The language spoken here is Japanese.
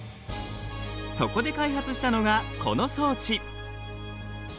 そこで開発したのがこの装置。